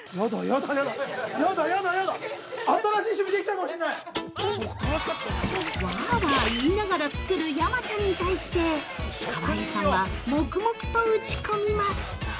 ◆わあわあ言いながら作る山ちゃんに対して川栄さんは、黙々と撃ち込みます。